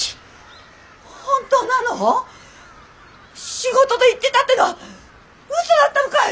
仕事で行ってたってのは嘘だったのかい！